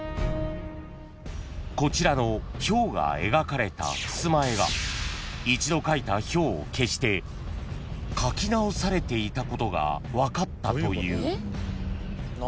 ［こちらのヒョウが描かれたふすま絵が一度描いたヒョウを消して描き直されていたことが分かったという］